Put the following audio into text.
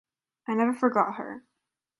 I never forgot her.